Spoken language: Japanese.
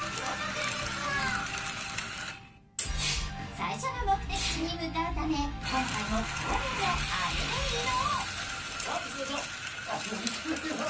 最初の目的地に向かうため、今回も恒例のあれで移動。